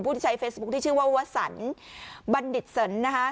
ที่ใช้เฟซบุ๊คที่ชื่อว่าวสันบัณฑิตสันนะคะ